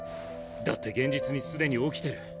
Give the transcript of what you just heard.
だって現実に既に起きてる。